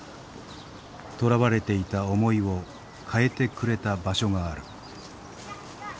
とらわれていた思いを変えてくれた場所がある。